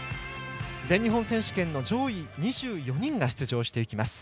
全日本選手権の上位２４人が出場していきます。